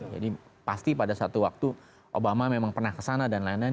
jadi pasti pada suatu waktu obama memang pernah ke sana dan lain lain